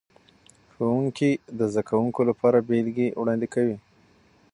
ښوونکي د زده کوونکو لپاره بیلګې وړاندې کوي.